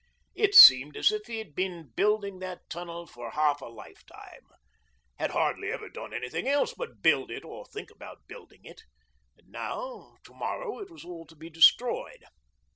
It seemed as if he had been building that tunnel for half a lifetime, had hardly ever done anything else but build it or think about building it. And now, to morrow it was all to be destroyed.